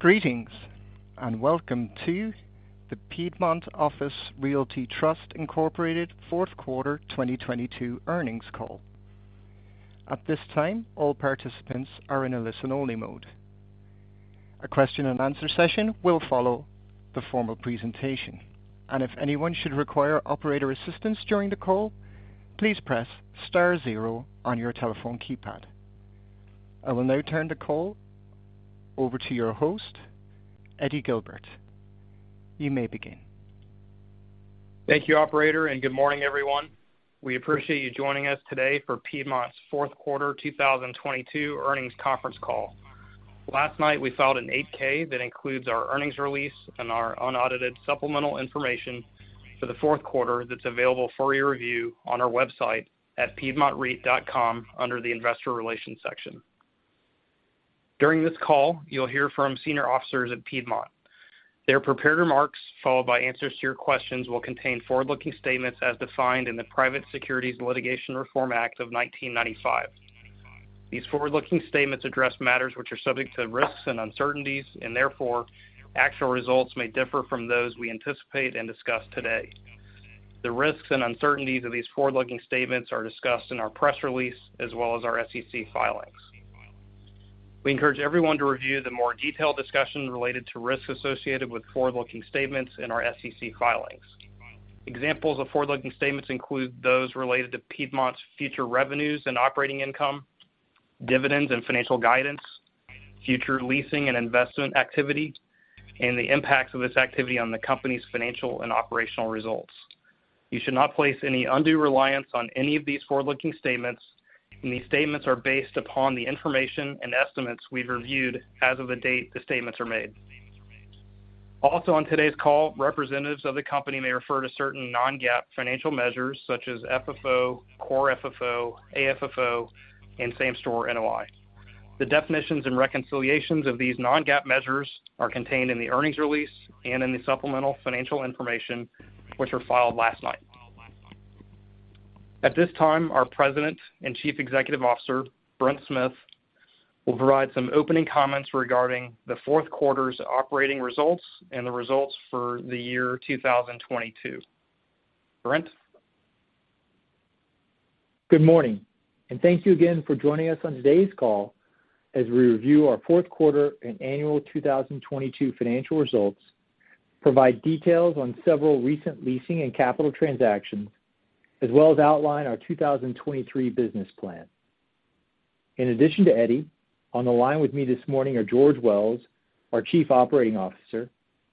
Greetings, and welcome to the Piedmont Office Realty Trust, Inc. fourth quarter 2022 earnings call. At this time, all participants are in a listen-only mode. A question and answer session will follow the formal presentation, and if anyone should require operator assistance during the call, please press star zero on your telephone keypad. I will now turn the call over to your host, Eddie Guilbert. You may begin. Thank you operator. Good morning, everyone. We appreciate you joining us today for Piedmont's fourth quarter 2022 earnings conference call. Last night we filed an 8-K that includes our earnings release and our unaudited supplemental information for the fourth quarter that's available for your review on our website at piedmontreit.com under the investor relations section. During this call, you'll hear from senior officers at Piedmont. Their prepared remarks, followed by answers to your questions, will contain forward-looking statements as defined in the Private Securities Litigation Reform Act of 1995. These forward-looking statements address matters which are subject to risks and uncertainties. Therefore actual results may differ from those we anticipate and discuss today. The risks and uncertainties of these forward-looking statements are discussed in our press release as well as our SEC filings. We encourage everyone to review the more detailed discussion related to risks associated with forward-looking statements in our SEC filings. Examples of forward-looking statements include those related to Piedmont's future revenues and operating income, dividends and financial guidance, future leasing and investment activity, and the impacts of this activity on the company's financial and operational results. You should not place any undue reliance on any of these forward-looking statements, and these statements are based upon the information and estimates we've reviewed as of the date the statements are made. Also on today's call, representatives of the company may refer to certain non-GAAP financial measures such as FFO, Core FFO, AFFO and Same Store NOI. The definitions and reconciliations of these non-GAAP measures are contained in the earnings release and in the supplemental financial information, which were filed last night. At this time, our President and Chief Executive Officer, Brent Smith, will provide some opening comments regarding the fourth quarter's operating results and the results for the year 2022. Brent. Good morning, thank you again for joining us on today's call as we review our fourth quarter and annual 2022 financial results, provide details on several recent leasing and capital transactions, as well as outline our 2023 business plan. In addition to Eddie, on the line with me this morning are George Wells, our Chief Operating Officer,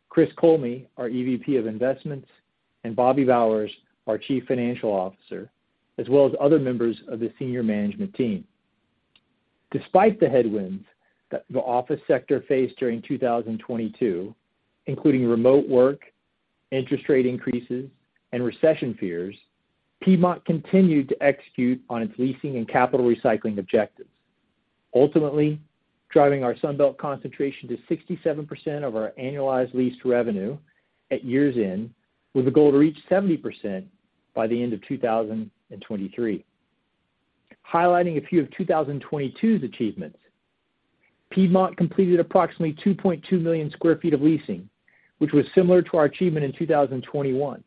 Chris Kollme, our EVP of Investments, and Bobby Bowers, our Chief Financial Officer, as well as other members of the senior management team. Despite the headwinds that the office sector faced during 2022, including remote work, interest rate increases and recession fears, Piedmont continued to execute on its leasing and capital recycling objectives, ultimately driving our Sunbelt concentration to 67% of our annualized leased revenue at years end, with a goal to reach 70% by the end of 2023. Highlighting a few of 2022's achievements. Piedmont completed approximately 2.2 million sq ft of leasing, which was similar to our achievement in 2021.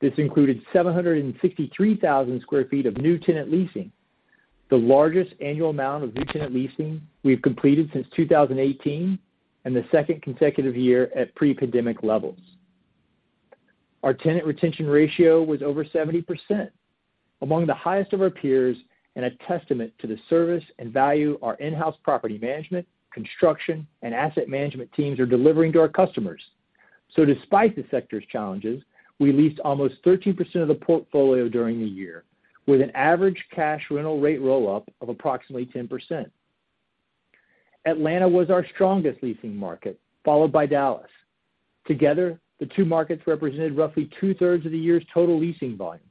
This included 763,000 sq ft of new tenant leasing, the largest annual amount of new tenant leasing we've completed since 2018 and the second consecutive year at pre-pandemic levels. Our tenant retention ratio was over 70%, among the highest of our peers and a testament to the service and value our in-house property management, construction and asset management teams are delivering to our customers. Despite the sector's challenges, we leased almost 13% of the portfolio during the year with an average cash rental rate roll-up of approximately 10%. Atlanta was our strongest leasing market, followed by Dallas. Together, the two markets represented roughly 2/3 of the year's total leasing volume.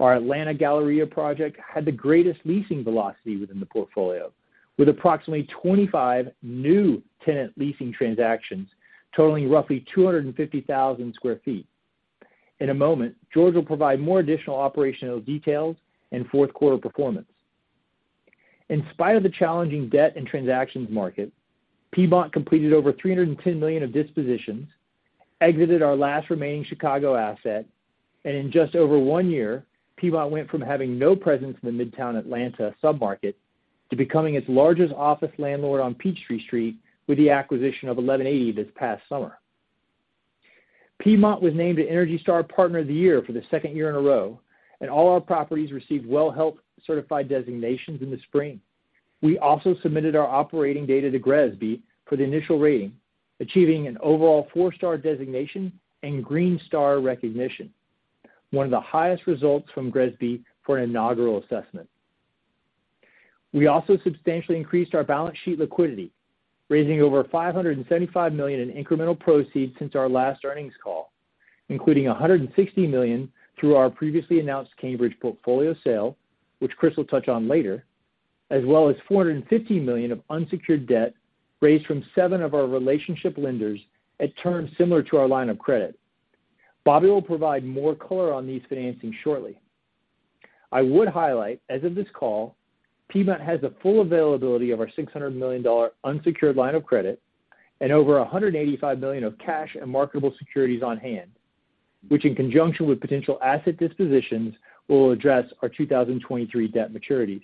Our Atlanta Galleria project had the greatest leasing velocity within the portfolio, with approximately 25 new tenant leasing transactions totaling roughly 250,000 sq ft. In a moment, George Wells will provide more additional operational details and fourth quarter performance. In spite of the challenging debt and transactions market, Piedmont completed over $310 million of dispositions, exited our last remaining Chicago asset, in just over 1 year, Piedmont went from having no presence in the Midtown Atlanta sub-market to becoming its largest office landlord on Peachtree Street with the acquisition of Eleven80 this past summer. Piedmont was named an ENERGY STAR Partner of the Year for the 2nd year in a row, all our properties received WELL Health certified designations in the spring. We also submitted our operating data to GRESB for the initial rating, achieving an overall four-star designation and Green Star recognition, one of the highest results from GRESB for an inaugural assessment. We also substantially increased our balance sheet liquidity, raising over $575 million in incremental proceeds since our last earnings call, including $160 million through our previously announced Cambridge portfolio sale, which Chris will touch on later, as well as $450 million of unsecured debt raised from seven of our relationship lenders at terms similar to our line of credit. Bobby will provide more color on these financings shortly. I would highlight, as of this call, Piedmont has the full availability of our $600 million unsecured line of credit and over $185 million of cash and marketable securities on hand, which in conjunction with potential asset dispositions will address our 2023 debt maturities.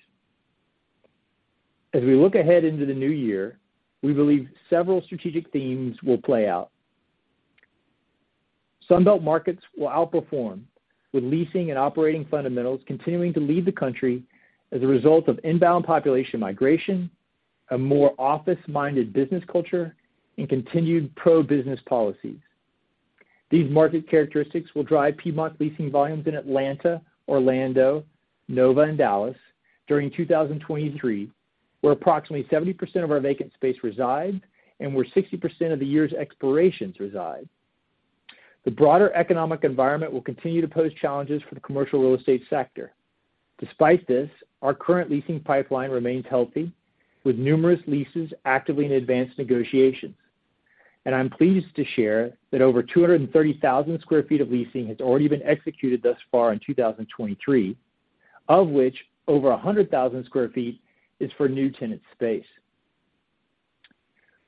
As we look ahead into the new year, we believe several strategic themes will play out. Sunbelt markets will outperform, with leasing and operating fundamentals continuing to lead the country as a result of inbound population migration, a more office-minded business culture, and continued pro-business policies. These market characteristics will drive Piedmont leasing volumes in Atlanta, Orlando, NoVA, and Dallas during 2023, where approximately 70% of our vacant space resides and where 60% of the year's expirations reside. The broader economic environment will continue to pose challenges for the commercial real estate sector. Despite this, our current leasing pipeline remains healthy, with numerous leases actively in advanced negotiations. I'm pleased to share that over 230,000 sq ft of leasing has already been executed thus far in 2023, of which over 100,000 sq ft is for new tenant space.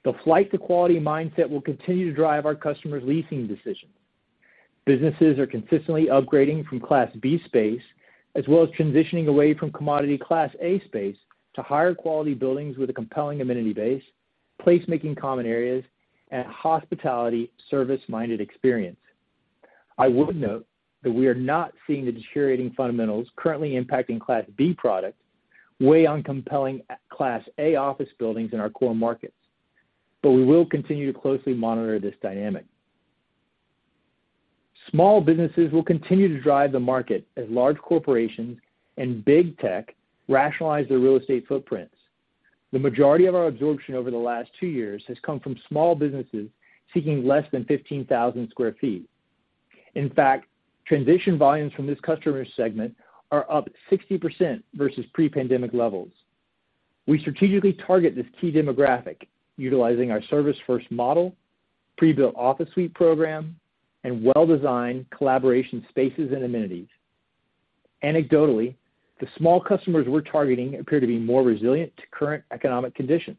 The flight to quality mindset will continue to drive our customers' leasing decisions. Businesses are consistently upgrading from Class B space as well as transitioning away from commodity Class A space to higher quality buildings with a compelling amenity base, placemaking common areas, and hospitality service-minded experience. I would note that we are not seeing the deteriorating fundamentals currently impacting Class B products weigh on compelling Class A office buildings in our core markets, but we will continue to closely monitor this dynamic. Small businesses will continue to drive the market as large corporations and big tech rationalize their real estate footprints. The majority of our absorption over the last two years has come from small businesses seeking less than 15,000 square feet. In fact, transition volumes from this customer segment are up 60% versus pre-pandemic levels. We strategically target this key demographic utilizing our service first model, pre-built office suite program, and well-designed collaboration spaces and amenities. Anecdotally, the small customers we're targeting appear to be more resilient to current economic conditions.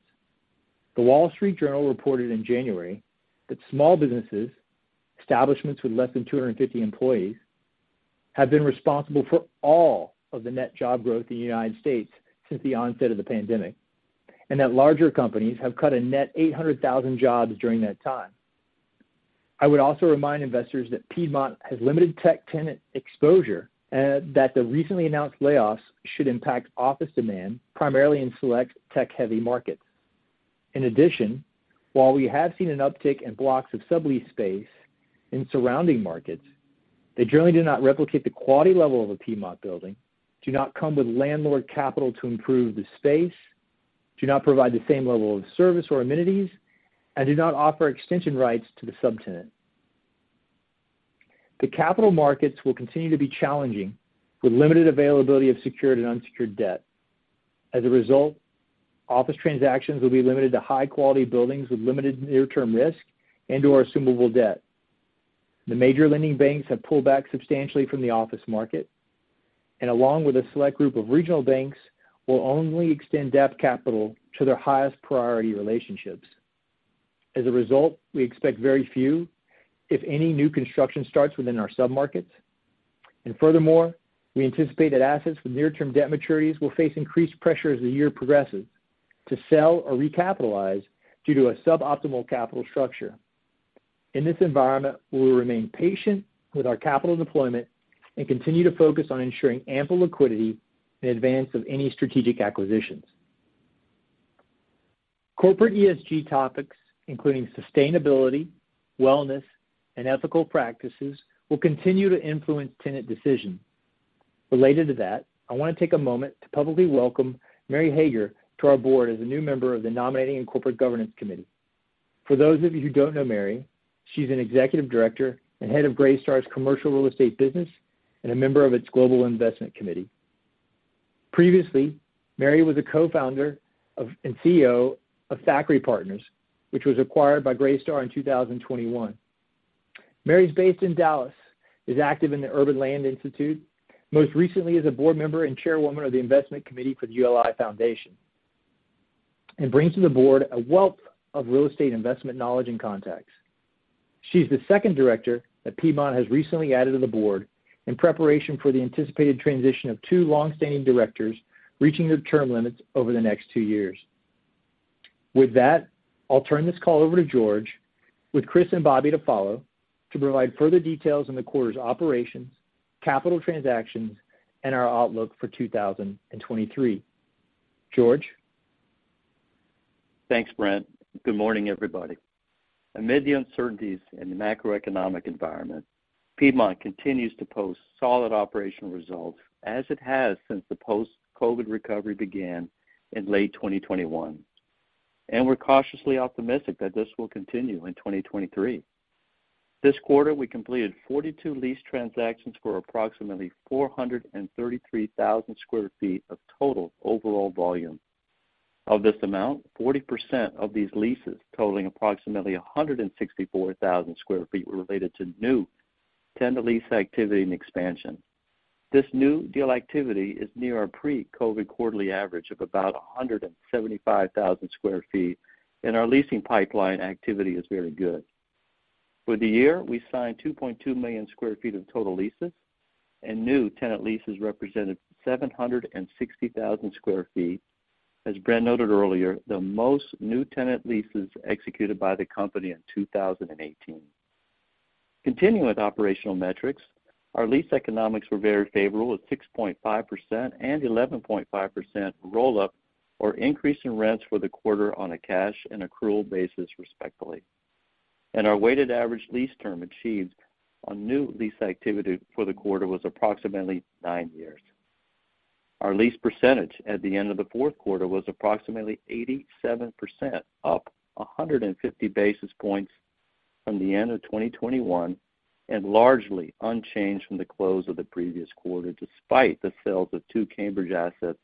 The Wall Street Journal reported in January that small businesses, establishments with less than 250 employees, have been responsible for all of the net job growth in the U.S. since the onset of the pandemic, and that larger companies have cut a net 800,000 jobs during that time. I would also remind investors that Piedmont has limited tech tenant exposure and that the recently announced layoffs should impact office demand primarily in select tech-heavy markets. In addition, while we have seen an uptick in blocks of sublease space in surrounding markets, they generally do not replicate the quality level of a Piedmont building, do not come with landlord capital to improve the space, do not provide the same level of service or amenities, and do not offer extension rights to the subtenant. The capital markets will continue to be challenging, with limited availability of secured and unsecured debt. As a result, office transactions will be limited to high-quality buildings with limited near-term risk and/or assumable debt. The major lending banks have pulled back substantially from the office market and along with a select group of regional banks will only extend debt capital to their highest priority relationships. As a result, we expect very few, if any, new construction starts within our submarkets. Furthermore, we anticipate that assets with near-term debt maturities will face increased pressure as the year progresses to sell or recapitalize due to a suboptimal capital structure. In this environment, we will remain patient with our capital deployment and continue to focus on ensuring ample liquidity in advance of any strategic acquisitions. Corporate ESG topics, including sustainability, wellness, and ethical practices, will continue to influence tenant decisions. Related to that, I want to take a moment to publicly welcome Mary Hager to our board as a new member of the Nominating and Corporate Governance Committee. For those of you who don't know Mary, she's an executive director and head of Greystar's commercial real estate business and a member of its global investment committee. Previously, Mary was a co-founder and CEO of Thackeray Partners, which was acquired by Greystar in 2021. Mary's based in Dallas, is active in the Urban Land Institute, most recently as a board member and chairwoman of the investment committee for the ULI Foundation, and brings to the board a wealth of real estate investment knowledge and contacts. She's the second director that Piedmont has recently added to the board in preparation for the anticipated transition of two long-standing directors reaching their term limits over the next two years. With that, I'll turn this call over to George, with Chris and Bobby to follow, to provide further details on the quarter's operations, capital transactions, and our outlook for 2023. George? Thanks, Brent. Good morning, everybody. Amid the uncertainties in the macroeconomic environment, Piedmont continues to post solid operational results as it has since the post-COVID recovery began in late 2021. We're cautiously optimistic that this will continue in 2023. This quarter, we completed 42 lease transactions for approximately 433,000 sq ft of total overall volume. Of this amount, 40% of these leases totaling approximately 164,000 sq ft were related to new tenant lease activity and expansion. This new deal activity is near our pre-COVID quarterly average of about 175,000 sq ft. Our leasing pipeline activity is very good. For the year, we signed 2.2 million sq ft of total leases and new tenant leases represented 760,000 sq ft. As Brent noted earlier, the most new tenant leases executed by the company in 2018. Continuing with operational metrics, our lease economics were very favorable at 6.5% and 11.5% roll-up or increase in rents for the quarter on a cash and accrual basis, respectively. Our weighted average lease term achieved on new lease activity for the quarter was approximately 9 years. Our lease percentage at the end of the fourth quarter was approximately 87%, up 150 basis points from the end of 2021 and largely unchanged from the close of the previous quarter, despite the sales of two Cambridge assets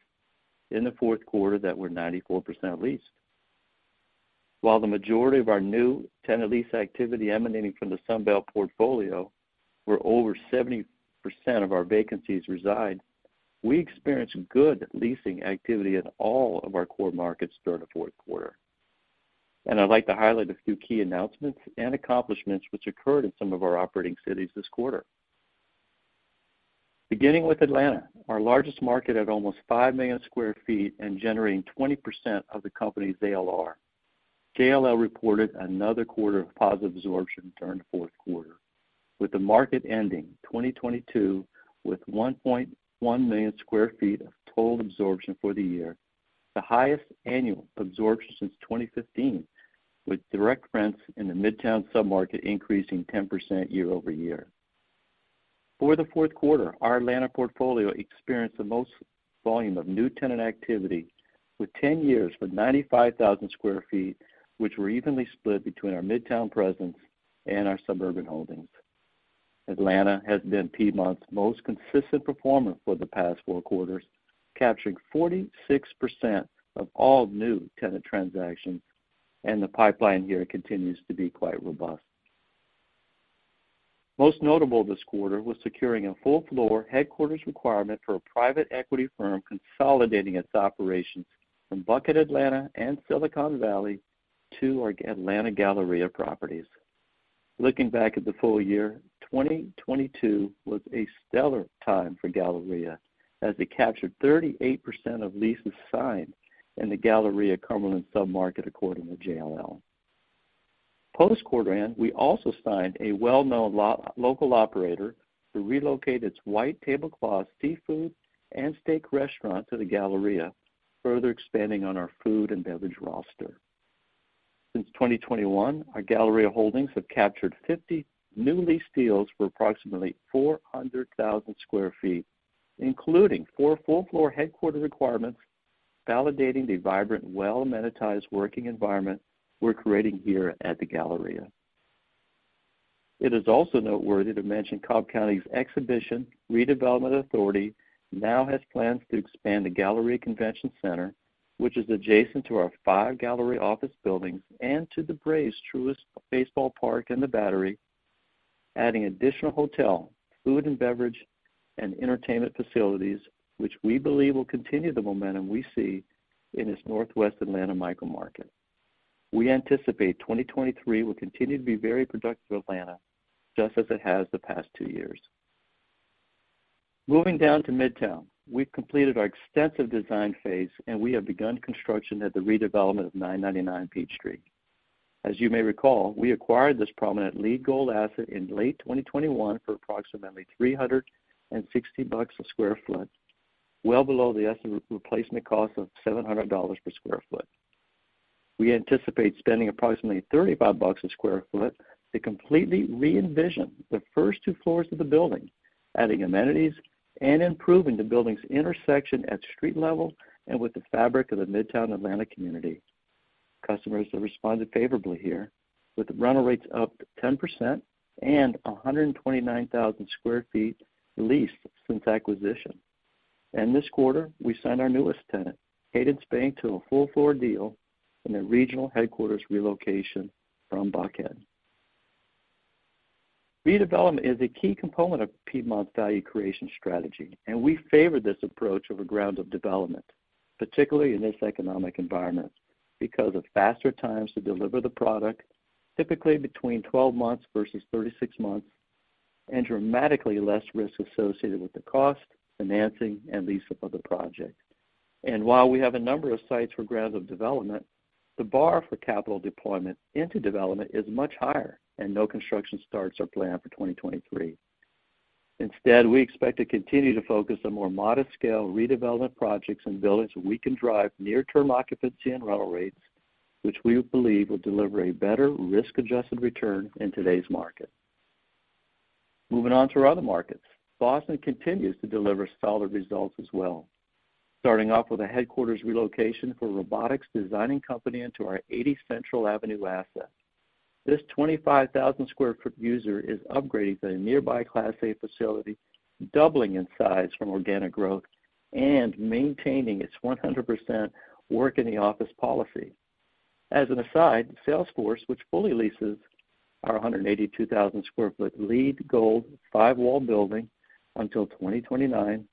in the fourth quarter that were 94% leased. While the majority of our new tenant lease activity emanating from the Sunbelt portfolio, where over 70% of our vacancies reside, we experienced good leasing activity in all of our core markets during the fourth quarter. I'd like to highlight a few key announcements and accomplishments which occurred in some of our operating cities this quarter. Beginning with Atlanta, our largest market at almost 5 million sq ft and generating 20% of the company's ALR. JLL reported another quarter of positive absorption during the fourth quarter, with the market ending 2022 with 1.1 million sq ft of total absorption for the year, the highest annual absorption since 2015, with direct rents in the Midtown sub-market increasing 10% year-over-year. For the fourth quarter, our Atlanta portfolio experienced the most volume of new tenant activity with 10 years for 95,000 sq ft, which were evenly split between our Midtown presence and our suburban holdings. Atlanta has been Piedmont's most consistent performer for the past four quarters, capturing 46% of all new tenant transactions, and the pipeline here continues to be quite robust. Most notable this quarter was securing a full floor headquarters requirement for a private equity firm, consolidating its operations from Buckhead, Atlanta, and Silicon Valley to our Atlanta Galleria properties. Looking back at the full year, 2022 was a stellar time for Galleria as it captured 38% of leases signed in the Galleria Cumberland sub-market, according to JLL. Post-quarter end, we also signed a well-known local operator to relocate its white tablecloth seafood and steak restaurant to the Galleria, further expanding on our food and beverage roster. Since 2021, our Galleria holdings have captured 50 new lease deals for approximately 400,000 sq ft, including four full floor headquarter requirements, validating the vibrant, well-amenitized working environment we're creating here at the Galleria. It is also noteworthy to mention Cobb County's Exhibition Redevelopment Authority now has plans to expand the Galleria Convention Center, which is adjacent to our five Galleria office buildings and to the Braves Truist baseball park in The Battery, adding additional hotel, food and beverage, and entertainment facilities, which we believe will continue the momentum we see in this Northwest Atlanta micro market. We anticipate 2023 will continue to be very productive for Atlanta, just as it has the past two years. Moving down to Midtown, we've completed our extensive design phase, and we have begun construction at the redevelopment of 999 Peachtree. As you may recall, we acquired this prominent LEED Gold asset in late 2021 for approximately $360 a square foot, well below the asset replacement cost of $700 per square foot. We anticipate spending approximately $35 a square foot to completely re-envision the first two floors of the building, adding amenities and improving the building's intersection at street level and with the fabric of the Midtown Atlanta community. Customers have responded favorably here, with rental rates up 10% and 129,000 sq ft leased since acquisition. This quarter, we signed our newest tenant, Cadence Bank, to a full floor deal in their regional headquarters relocation from Buckhead. Redevelopment is a key component of Piedmont's value creation strategy, and we favor this approach over ground-up development, particularly in this economic environment, because of faster times to deliver the product, typically between 12 months versus 36 months, and dramatically less risk associated with the cost, financing, and lease-up of the project. While we have a number of sites for ground-up development, the bar for capital deployment into development is much higher and no construction starts are planned for 2023. Instead, we expect to continue to focus on more modest scale redevelopment projects and buildings we can drive near-term occupancy and rental rates, which we believe will deliver a better risk-adjusted return in today's market. Moving on to our other markets. Boston continues to deliver solid results as well. Starting off with a headquarters relocation for a robotics designing company into our 80 Central asset. This 25,000 sq ft user is upgrading to a nearby class A facility, doubling in size from organic growth and maintaining its 100% work in the office policy. As an aside, Salesforce, which fully leases our 182,000 sq ft LEED Gold 5 Wall Street building until 2029,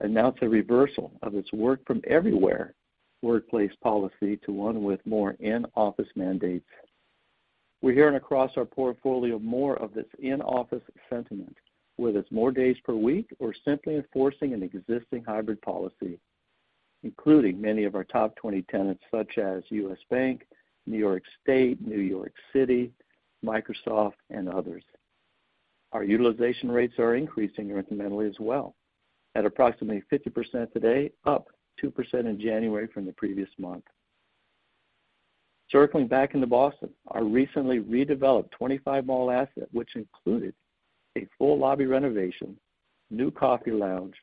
announced a reversal of its work from everywhere workplace policy to one with more in-office mandates. We're hearing across our portfolio more of this in-office sentiment, whether it's more days per week or simply enforcing an existing hybrid policy, including many of our top 20 tenants such as U.S. Bank, New York State, New York City, Microsoft and others. Our utilization rates are increasing incrementally as well. At approximately 50% today, up 2% in January from the previous month. Circling back into Boston, our recently redeveloped 25 Mall asset, which included a full lobby renovation, new coffee lounge,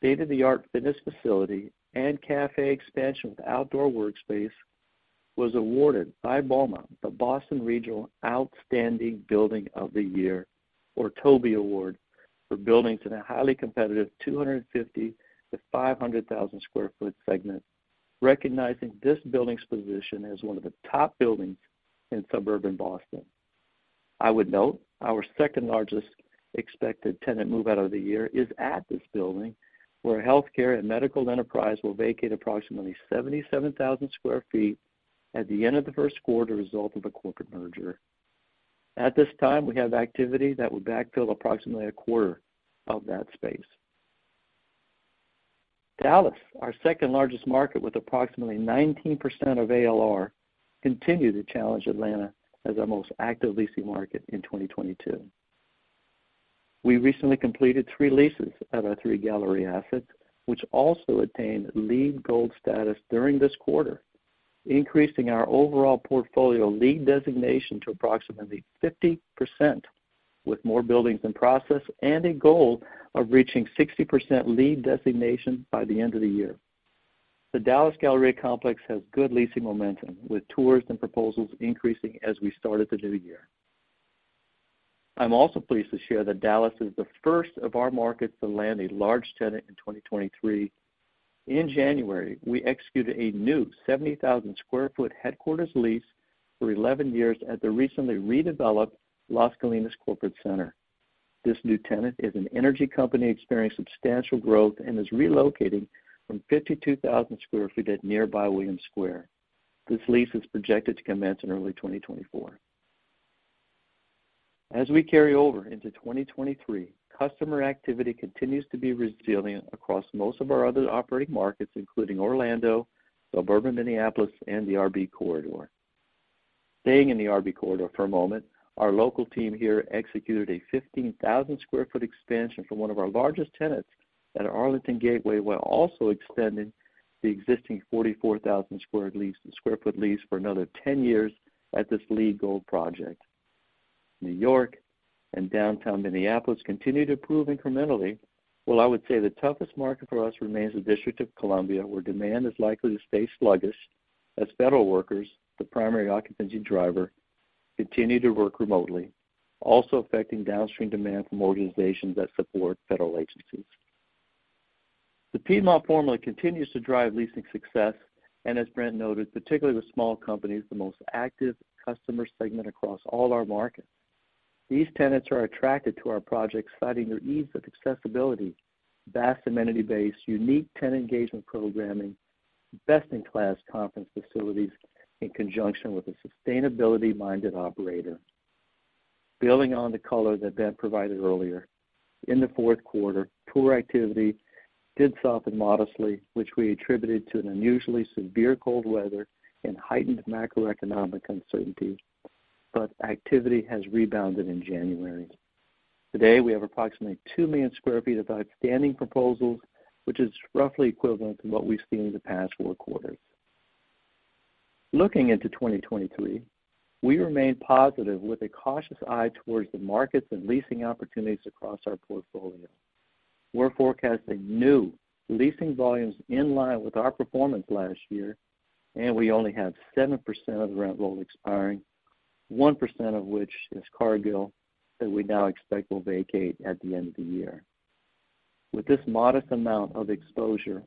state-of-the-art fitness facility, and cafe expansion with outdoor workspace, was awarded by BOMA, the Boston Regional Outstanding Building of the Year, or TOBY Award, for buildings in a highly competitive 250,000-500,000 sq ft segment, recognizing this building's position as one of the top buildings in suburban Boston. I would note our second largest expected tenant move out of the year is at this building, where healthcare and medical enterprise will vacate approximately 77,000 sq ft at the end of the first quarter as a result of a corporate merger. At this time, we have activity that would backfill approximately a quarter of that space. Dallas, our second-largest market with approximately 19% of ALR, continue to challenge Atlanta as our most active leasing market in 2022. We recently completed three leases at our 3 Galleria assets, which also attained LEED Gold status during this quarter, increasing our overall portfolio LEED designation to approximately 50%, with more buildings in process and a goal of reaching 60% LEED designation by the end of the year. The Dallas Galleria complex has good leasing momentum, with tours and proposals increasing as we started the new year. I'm also pleased to share that Dallas is the first of our markets to land a large tenant in 2023. In January, we executed a new 70,000 sq ft headquarters lease for 11 years at the recently redeveloped Las Colinas Corporate Center. This new tenant is an energy company experiencing substantial growth and is relocating from 52,000 sq ft at nearby Williams Square. This lease is projected to commence in early 2024. As we carry over into 2023, customer activity continues to be resilient across most of our other operating markets, including Orlando, suburban Minneapolis, and the RB Corridor. Staying in the RB Corridor for a moment, our local team here executed a 15,000 sq ft expansion from one of our largest tenants at Arlington Gateway, while also extending the existing 44,000 sq ft lease for another 10 years at this LEED Gold project. New York and downtown Minneapolis continue to improve incrementally, while I would say the toughest market for us remains the District of Columbia, where demand is likely to stay sluggish as federal workers, the primary occupancy driver, continue to work remotely, also affecting downstream demand from organizations that support federal agencies. The Piedmont formula continues to drive leasing success, as Brent noted, particularly with small companies, the most active customer segment across all our markets. These tenants are attracted to our projects, citing their ease of accessibility, vast amenity base, unique tenant engagement programming, best-in-class conference facilities in conjunction with a sustainability-minded operator. Building on the color that Brent provided earlier, in the fourth quarter, tour activity did soften modestly, which we attributed to an unusually severe cold weather and heightened macroeconomic uncertainty. Activity has rebounded in January. Today, we have approximately 2 million sq ft of outstanding proposals, which is roughly equivalent to what we've seen in the past four quarters. Looking into 2023, we remain positive with a cautious eye towards the markets and leasing opportunities across our portfolio. We're forecasting new leasing volumes in line with our performance last year, and we only have 7% of the rent roll expiring, 1% of which is Cargill that we now expect will vacate at the end of the year. With this modest amount of exposure,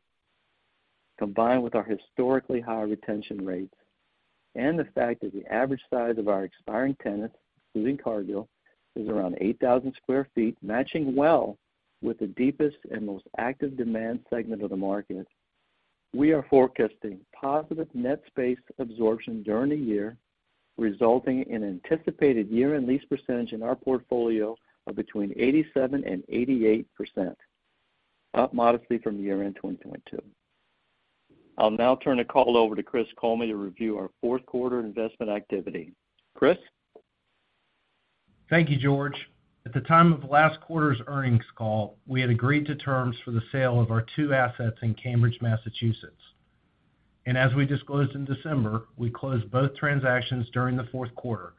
combined with our historically high retention rates and the fact that the average size of our expiring tenants, including Cargill, is around 8,000 sq ft, matching well with the deepest and most active demand segment of the market, we are forecasting positive net space absorption during the year, resulting in anticipated year-end lease percentage in our portfolio of between 87%-88%, up modestly from year-end 2022. I'll now turn the call over to Chris Kollme to review our fourth quarter investment activity. Chris? Thank you, George. At the time of last quarter's earnings call, we had agreed to terms for the sale of our two assets in Cambridge, Massachusetts. As we disclosed in December, we closed both transactions during the fourth quarter,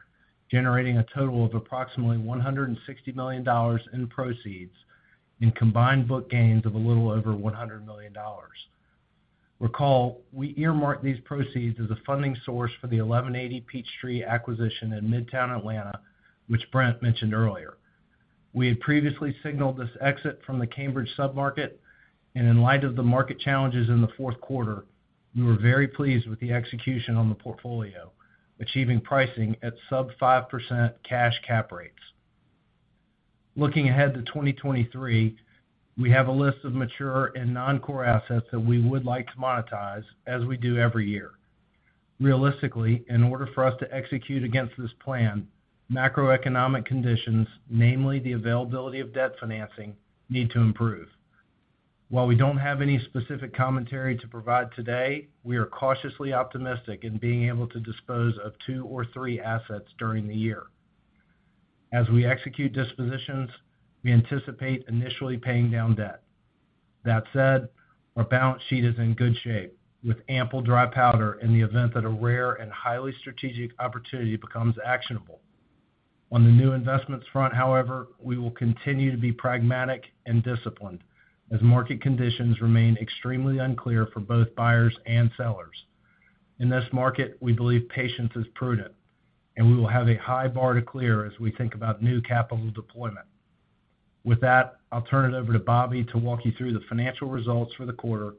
generating a total of approximately $160 million in proceeds and combined book gains of a little over $100 million. Recall, we earmark these proceeds as a funding source for the 1180 Peachtree acquisition in Midtown Atlanta, which Brent mentioned earlier. We had previously signaled this exit from the Cambridge sub-market, and in light of the market challenges in the fourth quarter, we were very pleased with the execution on the portfolio, achieving pricing at sub 5% cash cap rates. Looking ahead to 2023, we have a list of mature and non-core assets that we would like to monetize as we do every year. Realistically, in order for us to execute against this plan, macroeconomic conditions, namely the availability of debt financing, need to improve. While we don't have any specific commentary to provide today, we are cautiously optimistic in being able to dispose of two or three assets during the year. As we execute dispositions, we anticipate initially paying down debt. That said, our balance sheet is in good shape, with ample dry powder in the event that a rare and highly strategic opportunity becomes actionable. On the new investments front, however, we will continue to be pragmatic and disciplined as market conditions remain extremely unclear for both buyers and sellers. In this market, we believe patience is prudent, and we will have a high bar to clear as we think about new capital deployment. With that, I'll turn it over to Bobby to walk you through the financial results for the quarter,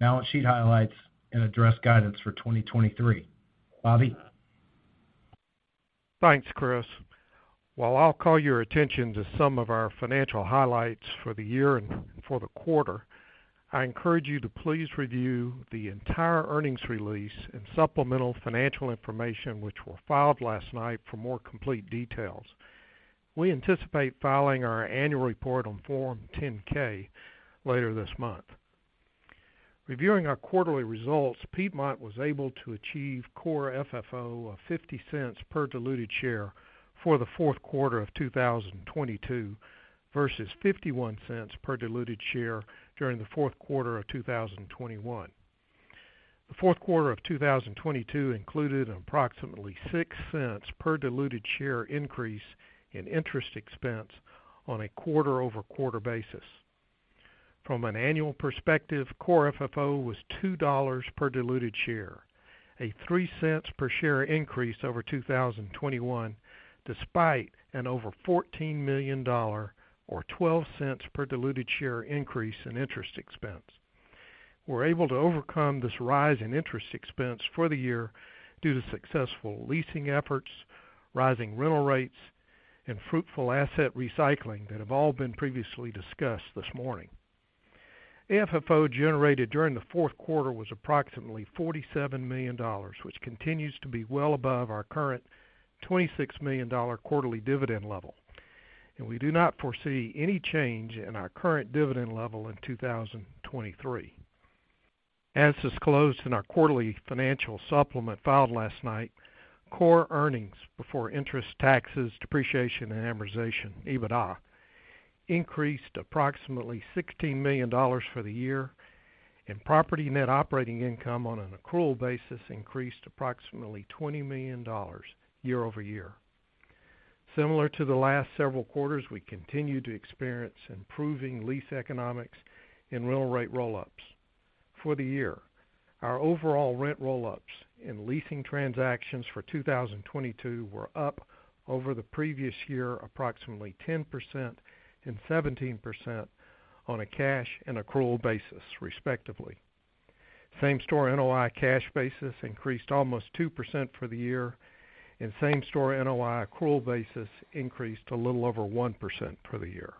balance sheet highlights, and address guidance for 2023. Bobby? Thanks, Chris. While I'll call your attention to some of our financial highlights for the year and for the quarter, I encourage you to please review the entire earnings release and supplemental financial information which were filed last night for more complete details. We anticipate filing our annual report on Form 10-K later this month. Reviewing our quarterly results, Piedmont was able to achieve Core FFO of $0.50 per diluted share for the fourth quarter of 2022 versus $0.51 per diluted share during the fourth quarter of 2021. The fourth quarter of 2022 included approximately $0.06 per diluted share increase in interest expense on a quarter-over-quarter basis. From an annual perspective, Core FFO was $2 per diluted share, a $0.03 per share increase over 2021, despite an over $14 million or $0.12 per diluted share increase in interest expense. We're able to overcome this rise in interest expense for the year due to successful leasing efforts, rising rental rates, and fruitful asset recycling that have all been previously discussed this morning. AFFO generated during the fourth quarter was approximately $47 million, which continues to be well above our current $26 million quarterly dividend level. We do not foresee any change in our current dividend level in 2023. As disclosed in our quarterly financial supplement filed last night, core earnings before interest, taxes, depreciation, and amortization, EBITDA, increased approximately $16 million for the year, and property net operating income on an accrual basis increased approximately $20 million year-over-year. Similar to the last several quarters, we continue to experience improving lease economics and rental rate roll-ups. For the year, our overall rent roll-ups and leasing transactions for 2022 were up over the previous year approximately 10% and 17% on a cash and accrual basis, respectively. Same Store NOI cash basis increased almost 2% for the year, and Same Store NOI accrual basis increased a little over 1% for the year.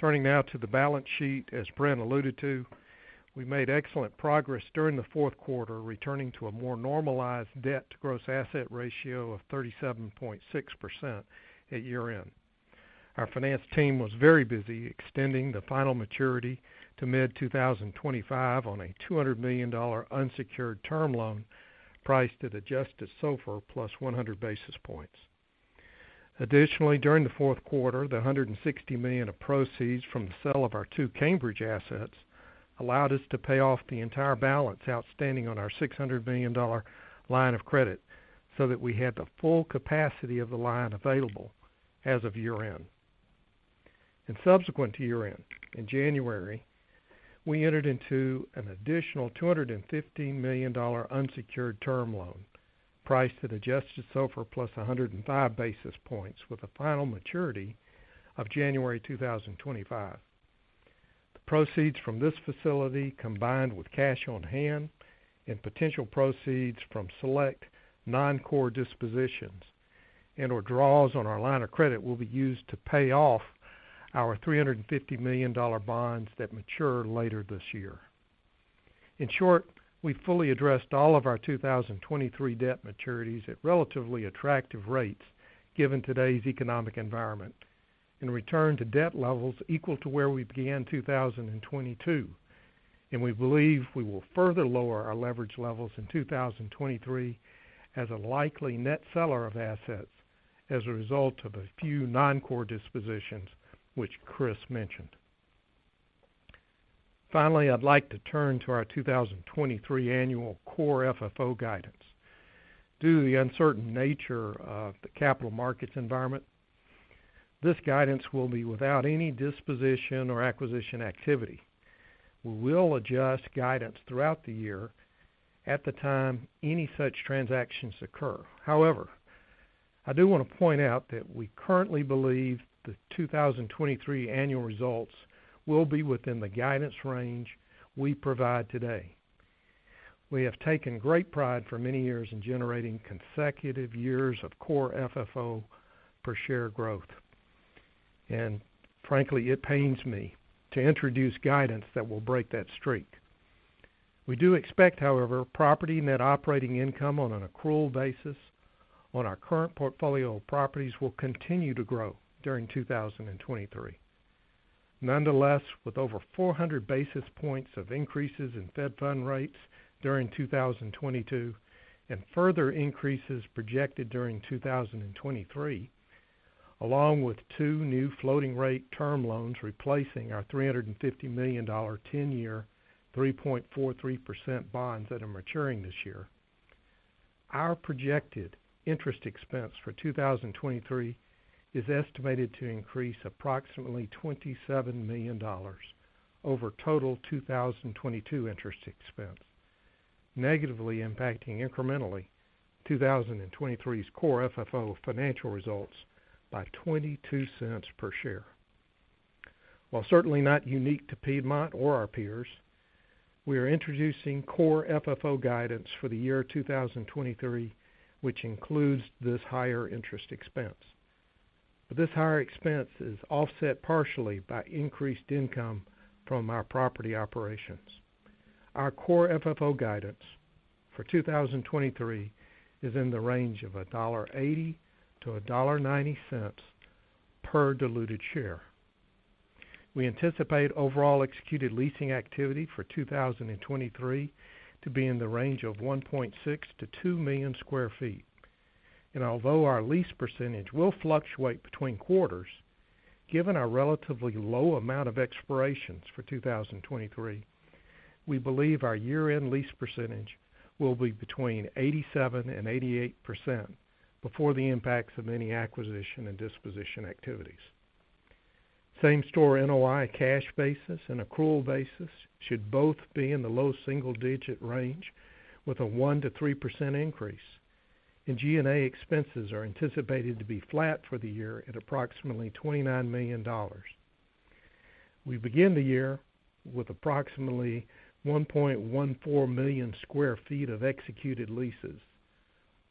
Turning now to the balance sheet, as Brent alluded to, we made excellent progress during the fourth quarter, returning to a more normalized debt to gross asset ratio of 37.6% at year-end. Our finance team was very busy extending the final maturity to mid-2025 on a $200 million unsecured term loan priced at adjusted SOFR plus 100 basis points. Additionally, during the fourth quarter, the $160 million of proceeds from the sale of our two Cambridge assets allowed us to pay off the entire balance outstanding on our $600 million line of credit so that we had the full capacity of the line available as of year-end. Subsequent to year-end, in January, we entered into an additional $215 million unsecured term loan priced at adjusted SOFR plus 105 basis points with a final maturity of January 2025. The proceeds from this facility, combined with cash on hand and potential proceeds from select non-core dispositions and/or draws on our line of credit, will be used to pay off our $350 million bonds that mature later this year. In short, we fully addressed all of our 2023 debt maturities at relatively attractive rates given today's economic environment and return to debt levels equal to where we began in 2022. We believe we will further lower our leverage levels in 2023 as a likely net seller of assets as a result of a few non-core dispositions which Chris mentioned. Finally, I'd like to turn to our 2023 annual Core FFO guidance. Due to the uncertain nature of the capital markets environment, this guidance will be without any disposition or acquisition activity. We will adjust guidance throughout the year at the time any such transactions occur. However, I do want to point out that we currently believe the 2023 annual results will be within the guidance range we provide today. We have taken great pride for many years in generating consecutive years of Core FFO per share growth. Frankly, it pains me to introduce guidance that will break that streak. We do expect, however, property net operating income on an accrual basis on our current portfolio of properties will continue to grow during 2023. With over 400 basis points of increases in fed fund rates during 2022 and further increases projected during 2023, along with two new floating rate term loans replacing our $350 million 10-year 3.43% bonds that are maturing this year, our projected interest expense for 2023 is estimated to increase approximately $27 million over total 2022 interest expense, negatively impacting incrementally 2023's Core FFO financial results by $0.22 per share. While certainly not unique to Piedmont or our peers, we are introducing Core FFO guidance for the year 2023, which includes this higher interest expense. This higher expense is offset partially by increased income from our property operations. Our Core FFO guidance for 2023 is in the range of $1.80-$1.90 per diluted share. We anticipate overall executed leasing activity for 2023 to be in the range of 1.6 million-2 million sq ft. Although our lease percentage will fluctuate between quarters, given our relatively low amount of expirations for 2023, we believe our year-end lease percentage will be between 87%-88% before the impacts of any acquisition and disposition activities. Same Store NOI cash basis and accrual basis should both be in the low single-digit range with a 1%-3% increase. G&A expenses are anticipated to be flat for the year at approximately $29 million. We begin the year with approximately 1.14 million sq ft of executed leases,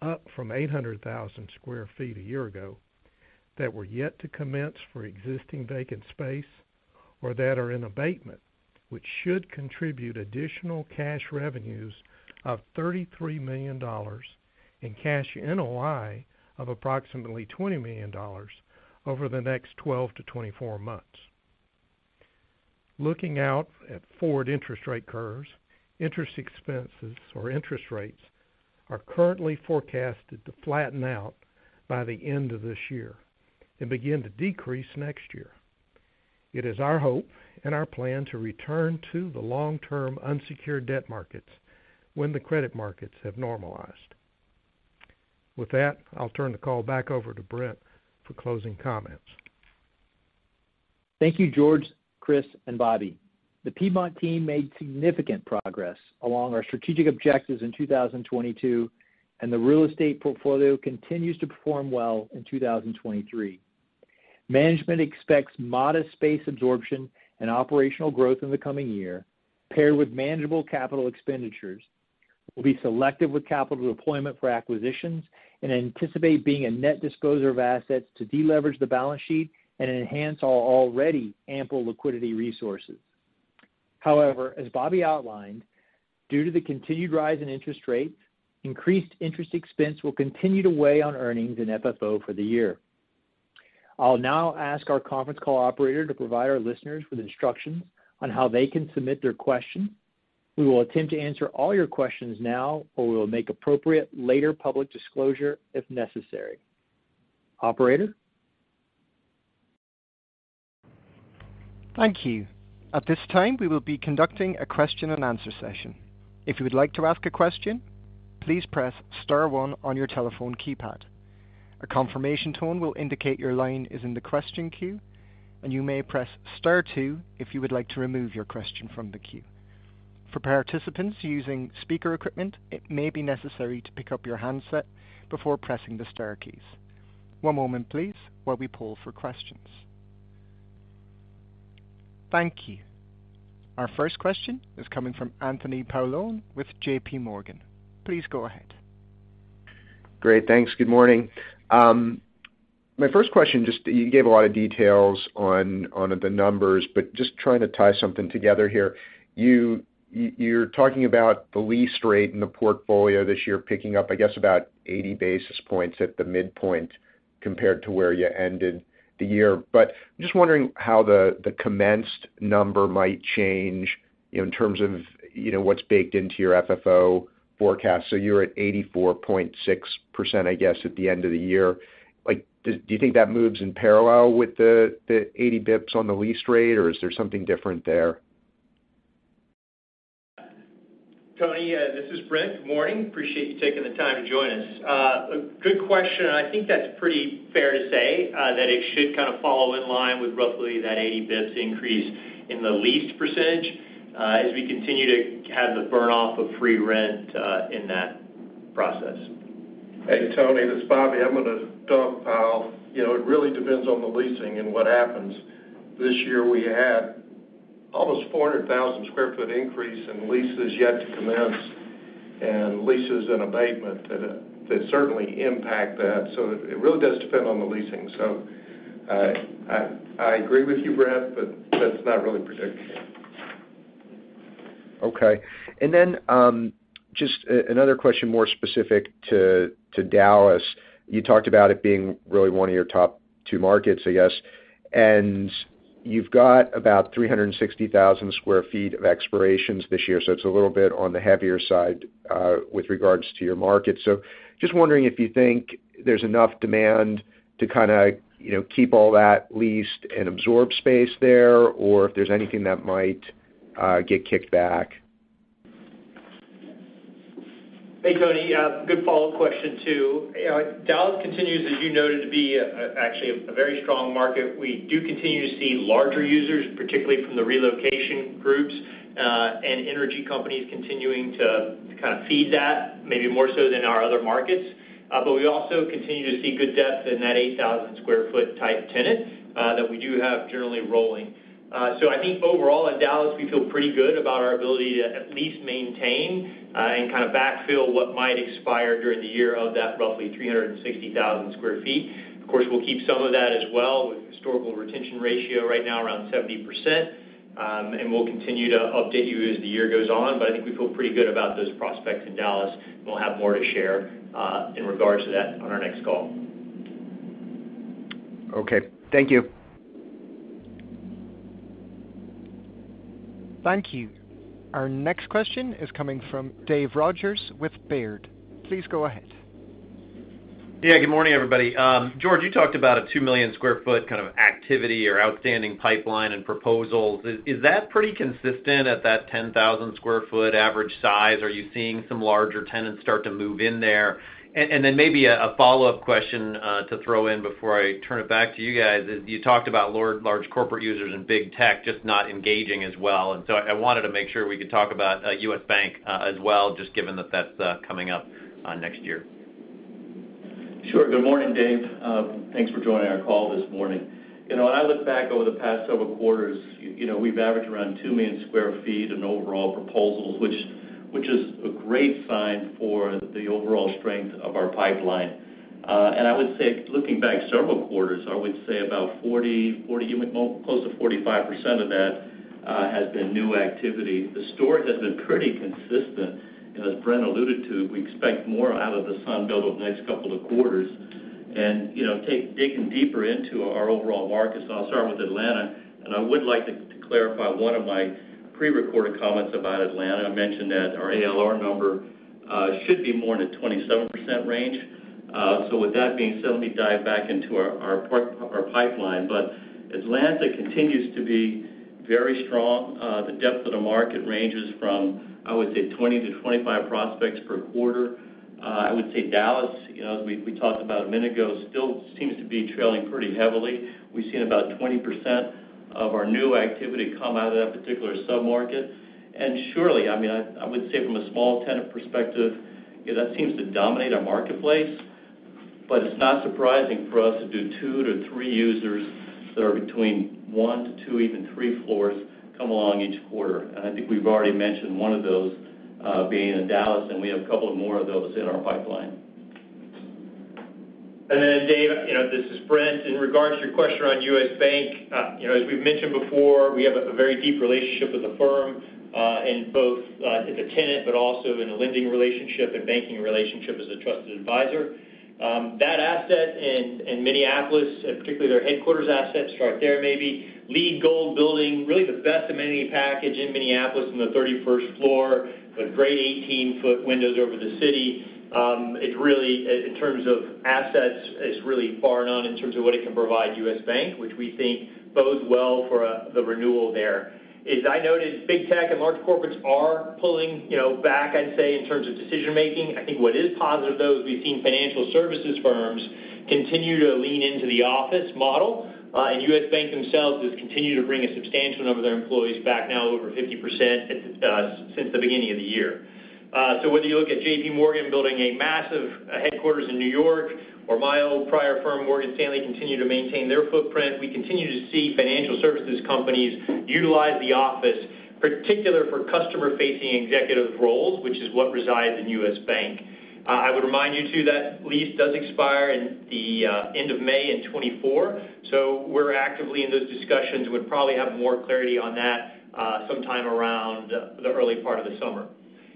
up from 800,000 sq ft a year ago, that were yet to commence for existing vacant space or that are in abatement, which should contribute additional cash revenues of $33 million and cash NOI of approximately $20 million over the next 12-24 months. Looking out at forward interest rate curves, interest expenses or interest rates are currently forecasted to flatten out by the end of this year and begin to decrease next year. It is our hope and our plan to return to the long-term unsecured debt markets when the credit markets have normalized. With that, I'll turn the call back over to Brent for closing comments. Thank you, George, Chris, and Bobby. The Piedmont team made significant progress along our strategic objectives in 2022, and the real estate portfolio continues to perform well in 2023. Management expects modest space absorption and operational growth in the coming year, paired with manageable capital expenditures, will be selective with capital deployment for acquisitions, and anticipate being a net disposer of assets to deleverage the balance sheet and enhance our already ample liquidity resources. However, as Bobby outlined, due to the continued rise in interest rates, increased interest expense will continue to weigh on earnings and FFO for the year. I'll now ask our conference call Operator to provide our listeners with instructions on how they can submit their question. We will attempt to answer all your questions now, or we will make appropriate later public disclosure if necessary. Operator? Thank you. At this time, we will be conducting a question and answer session. If you would like to ask a question, please press star one on your telephone keypad. A confirmation tone will indicate your line is in the question queue, and you may press star two if you would like to remove your question from the queue. For participants using speaker equipment, it may be necessary to pick up your handset before pressing the star key. One moment, please, while we poll for questions. Thank you. Our first question is coming from Anthony Paolone with JPMorgan. Please go ahead. Great. Thanks. Good morning. My first question, just you gave a lot of details on the numbers, but just trying to tie something together here. You're talking about the lease rate in the portfolio this year picking up, I guess, about 80 basis points at the midpoint compared to where you ended the year. Just wondering how the commenced number might change, you know, in terms of, you know, what's baked into your FFO forecast. You're at 84.6%, I guess, at the end of the year. Like, do you think that moves in parallel with the 80 bips on the lease rate, or is there something different there? Tony, this is Brent. Good morning. Appreciate you taking the time to join us. A good question. I think that's pretty fair to say that it should kind of fall in line with roughly that 80 basis points increase in the leased percentage as we continue to have the burn-off of free rent in that process. Hey, Tony, this is Bobby. I'm gonna dump file. You know, it really depends on the leasing and what happens. This year, we had almost 400,000 sq ft increase in leases yet to commence and leases in abatement that certainly impact that. It really does depend on the leasing. I agree with you, Brent, but that's not really predictable. Okay. Then, just another question more specific to Dallas. You talked about it being really one of your top two markets, I guess. You've got about 360,000 sq ft of expirations this year, so it's a little bit on the heavier side, with regards to your market. Just wondering if you think there's enough demand to kinda, you know, keep all that leased and absorbed space there or if there's anything that might, get kicked back. Hey, Tony. Good follow-up question too. Dallas continues, as you noted, actually a very strong market. We do continue to see larger users, particularly from the relocation groups, and energy companies continuing to kind of feed that maybe more so than our other markets. We also continue to see good depth in that 8,000 sq ft type tenant that we do have generally rolling. I think overall in Dallas, we feel pretty good about our ability to at least maintain and kind of backfill what might expire during the year of that roughly 360,000 sq ft. Of course, we'll keep some of that as well with historical retention ratio right now around 70%. We'll continue to update you as the year goes on, but I think we feel pretty good about those prospects in Dallas. We'll have more to share in regards to that on our next call. Okay. Thank you. Thank you. Our next question is coming from Dave Rodgers with Baird. Please go ahead. Good morning, everybody. George, you talked about a 2 million sq ft kind of activity or outstanding pipeline and proposals. Is that pretty consistent at that 10,000 sq ft average size? Are you seeing some larger tenants start to move in there? Maybe a follow-up question to throw in before I turn it back to you guys is, you talked about large corporate users and big tech just not engaging as well. I wanted to make sure we could talk about U.S. Bank as well, just given that that's coming up next year. Sure. Good morning, Dave. Thanks for joining our call this morning. You know, when I look back over the past several quarters, you know, we've averaged around 2 million square feet in overall proposals, which is a great sign for the overall strength of our pipeline. I would say looking back several quarters, I would say about 45% of that has been new activity. The story has been pretty consistent. As Brent alluded to, we expect more out of the Sunbelt over the next couple of quarters. You know, digging deeper into our overall markets, I'll start with Atlanta, and I would like to clarify one of my prerecorded comments about Atlanta. I mentioned that our ALR number should be more in the 27% range. With that being said, let me dive back into our pipeline. Atlanta continues to be very strong. The depth of the market ranges from, I would say, 20 to 25 prospects per quarter. I would say Dallas, you know, as we talked about a minute ago, still seems to be trailing pretty heavily. We've seen about 20% of our new activity come out of that particular sub-market. Surely, I mean, I would say from a small tenant perspective, you know, that seems to dominate our marketplace, but it's not surprising for us to do two to three users that are between one to two, even three floors come along each quarter. I think we've already mentioned one of those being in Dallas, and we have a couple more of those in our pipeline. Dave, you know, this is Brent. In regards to your question on U.S. Bank, you know, as we've mentioned before, we have a very deep relationship with the firm, in both as a tenant but also in a lending relationship and banking relationship as a trusted advisor. That asset in Minneapolis, particularly their headquarters asset, LEED Gold building, really the best amenity package in Minneapolis on the 31st floor with great 18-foot windows over the city. It's really, in terms of assets, it's really bar none in terms of what it can provide U.S. Bank, which we think bodes well for the renewal there. As I noted, big tech and large corporates are pulling, you know, back, I'd say, in terms of decision-making. I think what is positive, though, is we've seen financial services firms continue to lean into the office model. U.S. Bank themselves has continued to bring a substantial number of their employees back, now over 50% at, since the beginning of the year. Whether you look at JPMorgan building a massive, headquarters in New York or my old prior firm, Morgan Stanley, continue to maintain their footprint, we continue to see financial services companies utilize the office, particular for customer-facing executive roles, which is what resides in U.S. Bank. I would remind you, too, that lease does expire in the, end of May in 2024, so we're actively in those discussions. Would probably have more clarity on that, sometime around the early part of the summer.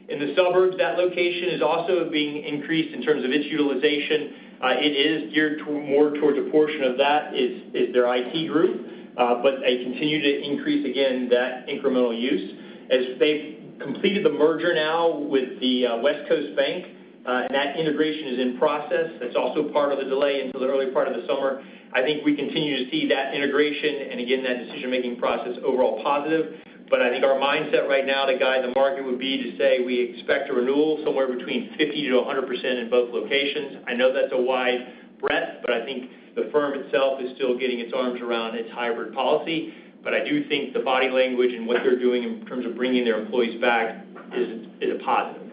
In the suburbs, that location is also being increased in terms of its utilization. It is geared more towards a portion of that is their IT group. They continue to increase again that incremental use. As they've completed the merger now with the West Coast Bank, and that integration is in process. That's also part of the delay into the early part of the summer. I think we continue to see that integration and, again, that decision-making process overall positive. I think our mindset right now to guide the market would be to say we expect a renewal somewhere between 50%-100% in both locations. I know that's a wide bracket. I think the firm itself is still getting its arms around its hybrid policy. I do think the body language and what they're doing in terms of bringing their employees back is a positive.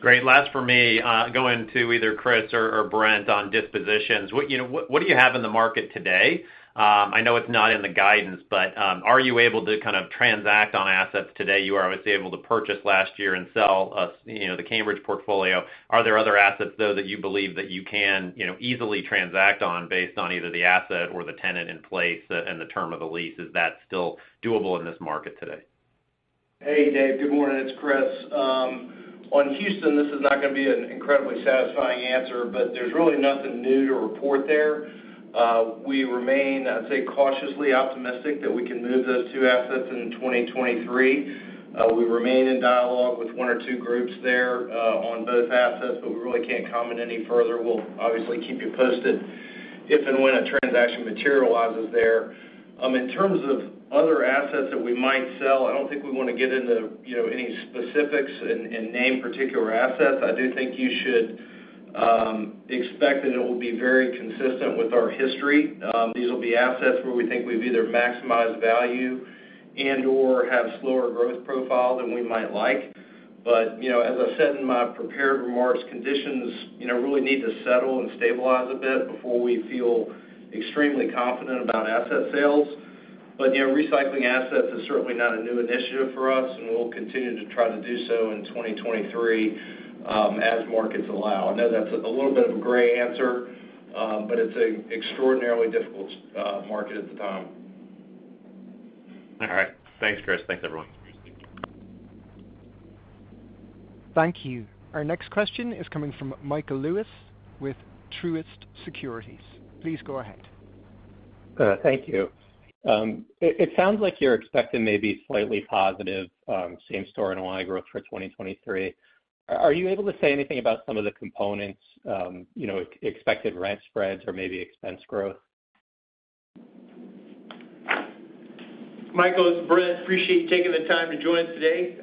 Great. Last for me, going to either Chris or Brent on dispositions. What, you know, what do you have in the market today? I know it's not in the guidance, but, are you able to kind of transact on assets today? You were obviously able to purchase last year and sell, you know, the Cambridge portfolio. Are there other assets, though, that you believe that you can, you know, easily transact on based on either the asset or the tenant in place and the term of the lease? Is that still doable in this market today? Hey, Dave. Good morning. It's Chris. on Houston, this is not gonna be an incredibly satisfying answer, but there's really nothing new to report there. We remain, I'd say, cautiously optimistic that we can move those two assets into 2023. We remain in dialogue with one or two groups there, on both assets, but we really can't comment any further. We'll obviously keep you posted if and when a transaction materializes there. In terms of other assets that we might sell, I don't think we wanna get into, you know, any specifics and name particular assets. I do think you should, expect that it will be very consistent with our history. These will be assets where we think we've either maximized value and/or have slower growth profile than we might like. You know, as I said in my prepared remarks, conditions, you know, really need to settle and stabilize a bit before we feel extremely confident about asset sales. You know, recycling assets is certainly not a new initiative for us, and we'll continue to try to do so in 2023 as markets allow. I know that's a little bit of a gray answer, but it's a extraordinarily difficult market at the time. All right. Thanks, Chris. Thanks, everyone. Thank you. Our next question is coming from Michael Lewis with Truist Securities. Please go ahead. Thank you. It sounds like you're expecting maybe slightly positive, Same Store NOI growth for 2023. Are you able to say anything about some of the components, you know, expected rent spreads or maybe expense growth? Michael, this is Brent Smith. Appreciate you taking the time to join us today.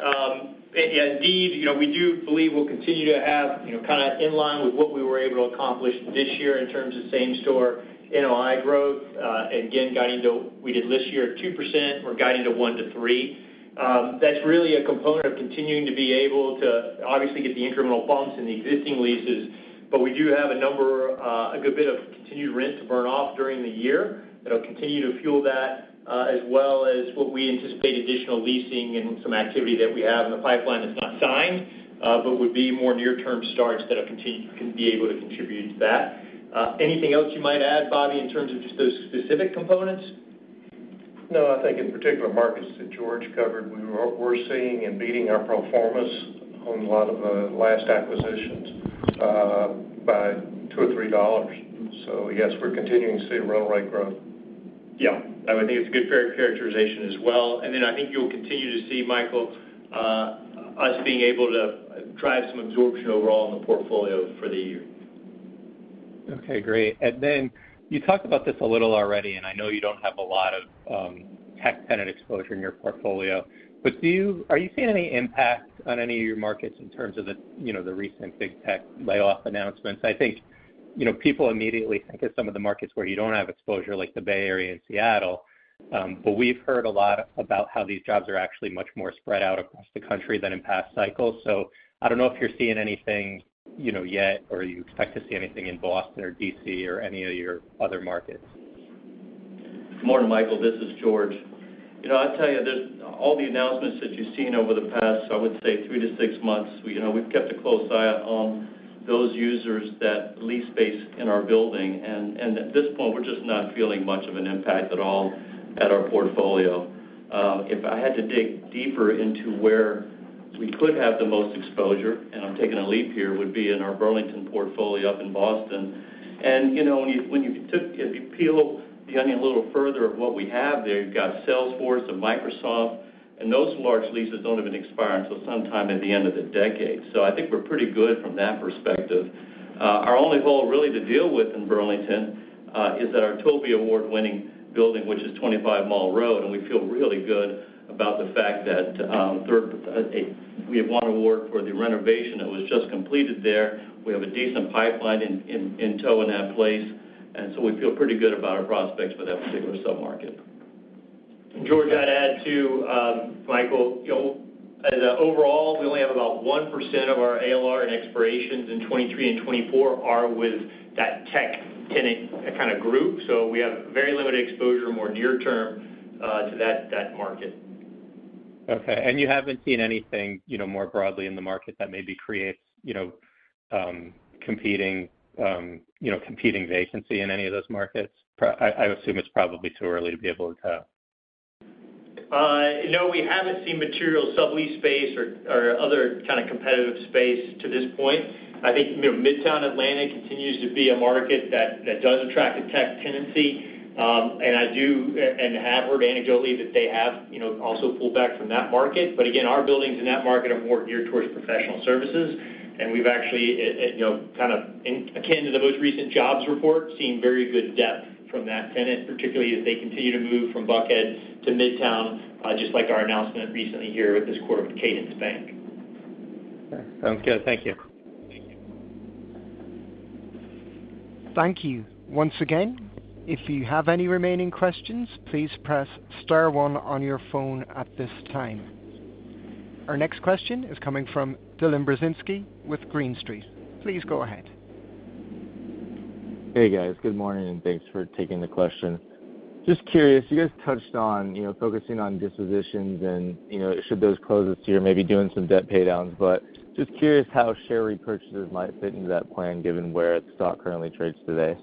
Indeed, you know, we do believe we'll continue to have, you know, kinda in line with what we were able to accomplish this year in terms of Same Store NOI growth. Again, guiding to we did this year at 2%. We're guiding to 1%-3%. That's really a component of continuing to be able to obviously get the incremental bumps in the existing leases, but we do have a number, a good bit of continued rent to burn off during the year that'll continue to fuel that, as well as what we anticipate additional leasing and some activity that we have in the pipeline that's not signed, but would be more near term starts that can be able to contribute to that. Anything else you might add, Bobby, in terms of just those specific components? No. I think in particular markets that George covered, we're seeing and beating our pro formas on a lot of the last acquisitions, by $2 or $3. Yes, we're continuing to see rental rate growth. Yeah. I would think it's a good characterization as well. I think you'll continue to see, Michael, us being able to drive some absorption overall in the portfolio for the year. Okay. Great. You talked about this a little already, and I know you don't have a lot of tech tenant exposure in your portfolio. Are you seeing any impact on any of your markets in terms of the, you know, the recent big tech layoff announcements? I think, you know, people immediately think of some of the markets where you don't have exposure, like the Bay Area and Seattle, but we've heard a lot about how these jobs are actually much more spread out across the country than in past cycles. I don't know if you're seeing anything, you know, yet or you expect to see anything in Boston or D.C. or any of your other markets. Morning, Michael. This is George. You know, I'll tell you, there's all the announcements that you've seen over the past, I would say three to six months, we, you know, we've kept a close eye on those users that lease space in our building. At this point, we're just not feeling much of an impact at all at our portfolio. If I had to dig deeper into where we could have the most exposure, and I'm taking a leap here, would be in our Burlington portfolio up in Boston. You know, when you peel the onion a little further of what we have there, you've got Salesforce and Microsoft, and those large leases don't even expire until sometime at the end of the decade. I think we're pretty good from that perspective. Our only hole really to deal with in Burlington is at our TOBY award-winning building, which is 25 Mall Road, and we feel really good about the fact that we have won award for the renovation that was just completed there. We have a decent pipeline in tow in that place, and so we feel pretty good about our prospects for that particular sub-market. George, I'd add to, Michael, you know, as a overall, we only have about 1% of our ALR and expirations in 2023 and 2024 are with that tech tenant kinda group. We have very limited exposure more near term to that market. Okay. You haven't seen anything, you know, more broadly in the market that maybe creates, you know, competing, you know, competing vacancy in any of those markets? I assume it's probably too early to be able to tell. No, we haven't seen material sublease space or other kind of competitive space to this point. I think, you know, Midtown Atlanta continues to be a market that does attract a tech tenancy. I do and have heard anecdotally that they have, you know, also pulled back from that market. Again, our buildings in that market are more geared towards professional services. We've actually, you know, kind of in akin to the most recent jobs report, seen very good depth from that tenant, particularly as they continue to move from Buckhead to Midtown, just like our announcement recently here with this quarter with Cadence Bank. Sounds good. Thank you. Thank you. Once again, if you have any remaining questions, please press star one on your phone at this time. Our next question is coming from Dylan Burzinski with Green Street. Please go ahead. Hey, guys. Good morning. Thanks for taking the question. Just curious, you guys touched on, you know, focusing on dispositions and, you know, should those close this year, maybe doing some debt pay downs. Just curious how share repurchases might fit into that plan given where the stock currently trades today.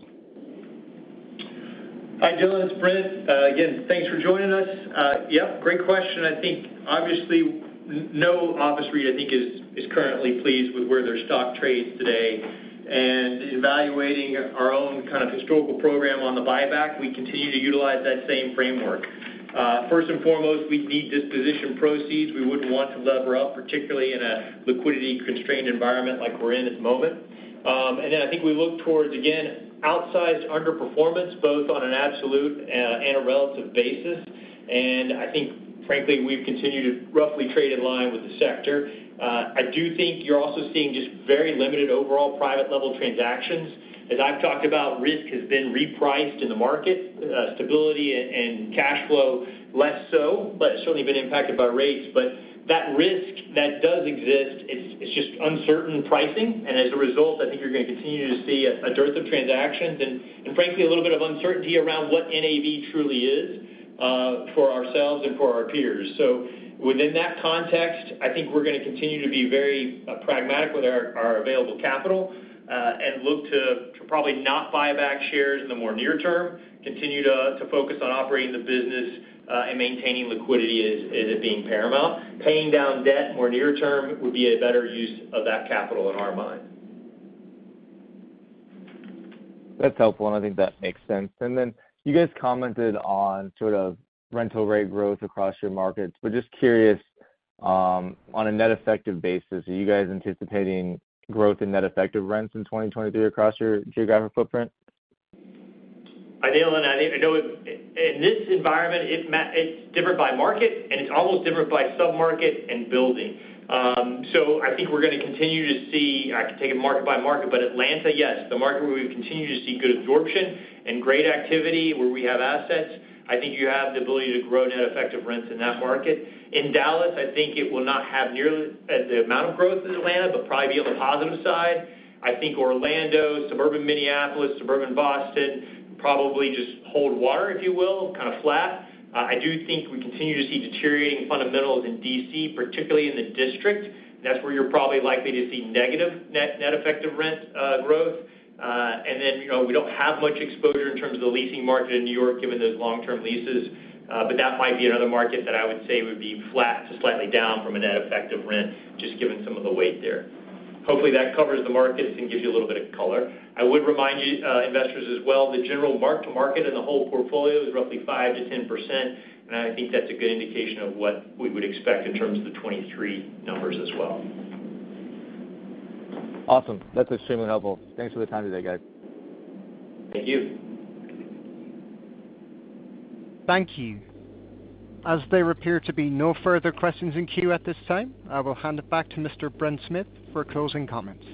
Hi, Dylan, it's Brent. Again, thanks for joining us. Yep, great question. I think obviously no office REIT, I think, is currently pleased with where their stock trades today. Evaluating our own kind of historical program on the buyback, we continue to utilize that same framework. First and foremost, we need disposition proceeds. We wouldn't want to lever up, particularly in a liquidity-constrained environment like we're in this moment. I think we look towards, again, outsized underperformance, both on an absolute and a relative basis. I think frankly, we've continued to roughly trade in line with the sector. I do think you're also seeing just very limited overall private level transactions. As I've talked about, risk has been repriced in the market, stability and cash flow less so, but certainly been impacted by rates. That risk that does exist, it's just uncertain pricing, and as a result, I think you're gonna continue to see a dearth of transactions and frankly, a little bit of uncertainty around what NAV truly is for ourselves and for our peers. Within that context, I think we're gonna continue to be very pragmatic with our available capital and look to probably not buy back shares in the more near term, continue to focus on operating the business and maintaining liquidity as it being paramount. Paying down debt more near term would be a better use of that capital in our mind. That's helpful, and I think that makes sense. Then you guys commented on sort of rental rate growth across your markets. Just curious, on a net effective basis, are you guys anticipating growth in net effective rents in 2023 across your geographic footprint? Hi, Dylan. I think I know it... In this environment, it's different by market, and it's almost different by sub-market and building. I think we're gonna continue to see... I can take it market by market, but Atlanta, yes. The market where we've continued to see good absorption and great activity where we have assets, I think you have the ability to grow net effective rents in that market. In Dallas, I think it will not have nearly as the amount of growth as Atlanta, probably be on the positive side. I think Orlando, suburban Minneapolis, suburban Boston, probably just hold water, if you will, kind of flat. I do think we continue to see deteriorating fundamentals in D.C., particularly in the district. That's where you're probably likely to see negative net effective rent growth. You know, we don't have much exposure in terms of the leasing market in New York given those long-term leases, but that might be another market that I would say would be flat to slightly down from a net effective rent, just given some of the weight there. Hopefully, that covers the markets and gives you a little bit of color. I would remind you, investors as well, the general mark-to-market in the whole portfolio is roughly 5%-10%, and I think that's a good indication of what we would expect in terms of the 2023 numbers as well. Awesome. That's extremely helpful. Thanks for the time today, guys. Thank you. Thank you. As there appear to be no further questions in queue at this time, I will hand it back to Mr. Brent Smith for closing comments.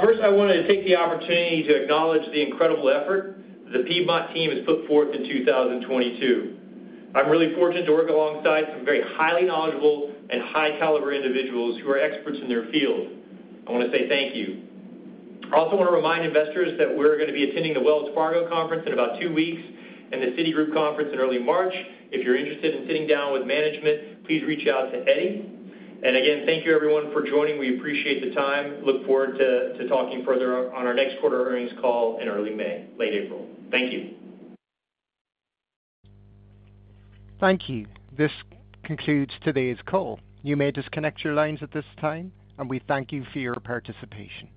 First, I wanted to take the opportunity to acknowledge the incredible effort the Piedmont team has put forth in 2022. I'm really fortunate to work alongside some very highly knowledgeable and high caliber individuals who are experts in their field. I wanna say thank you. I also wanna remind investors that we're gonna be attending the Wells Fargo conference in about two weeks and the Citigroup conference in early March. If you're interested in sitting down with management, please reach out to Eddie. Again, thank you everyone for joining. We appreciate the time. Look forward to talking further on our next quarter earnings call in early May, late April. Thank you. Thank you. This concludes today's call. You may disconnect your lines at this time, and we thank you for your participation.